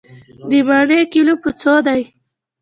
د مڼې کيلو په څو دی؟